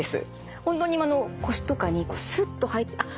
本当に腰とかにスッと入ってあっ